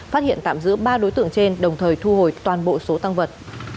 phát hiện tạm giữ ba đối tượng trên đồng thời thu hồi toàn bộ số tăng vật